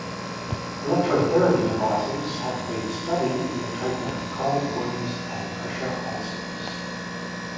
Electrotherapy devices have been studied in the treatment of chronic wounds and pressure ulcers.